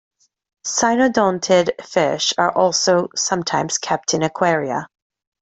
Cynodontid fish are also sometimes kept in aquaria.